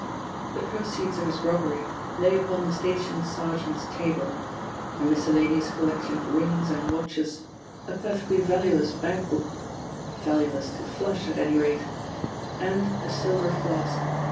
The proceeds of his robbery lay upon the station sergeant's table, a miscellaneous collection of rings and watches, a perfectly valueless bank book valueless to 'Flush', at any rate and a silver flask.